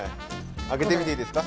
開けてみていいですか？